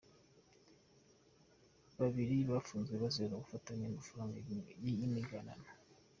Babiri bafunzwe bazira gufatanwa amafaranga y’amiganano.